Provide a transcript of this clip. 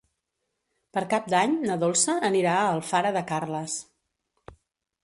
Per Cap d'Any na Dolça anirà a Alfara de Carles.